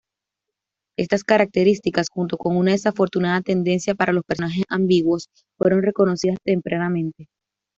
Estas características, junto con una desafortunada tendencia para los personajes ambiguos, fueron reconocidas tempranamente.